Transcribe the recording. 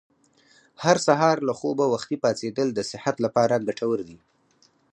هر سهار له خوبه وختي پاڅېدل د صحت لپاره ګټور دي.